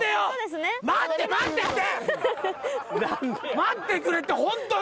待ってくれってホントに。